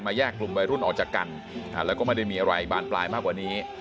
แยกกลุ่มวัยรุ่นออกจากกันแล้วก็ไม่ได้มีอะไรบานปลายมากกว่านี้